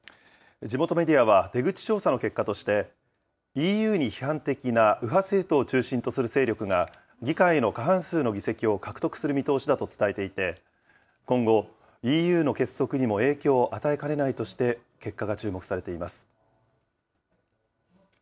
地元メディアは、出口調査の結果として、ＥＵに批判的な右派政党を中心とする勢力が、議会の過半数の議席を獲得する見通しだと伝えていて、今後、ＥＵの結束にも影響を与えかねないとして結果が注目されています。